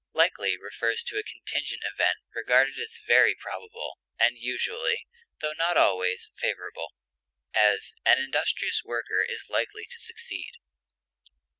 Likely refers to a contingent event regarded as very probable, and usually, tho not always, favorable; as, an industrious worker is likely to succeed.